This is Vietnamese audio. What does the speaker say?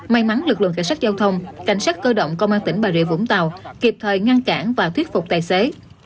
may mắn lực lượng cảnh sát giao thông cảnh sát cơ động công an tỉnh bà rịa vũng tàu kịp thời ngăn cản và thuyết phục tài xế